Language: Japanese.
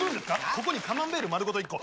ここにカマンベール丸ごと一個。